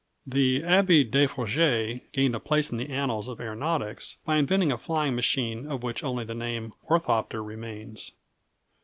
The Abbé Desforges gained a place in the annals of aeronautics by inventing a flying machine of which only the name "Orthoptere" remains.